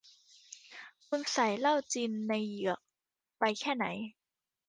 คุณใส่เหล้าจินในเหยือกไปแค่ไหน